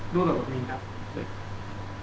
みんな。